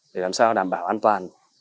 để làm sao đảm bảo an toàn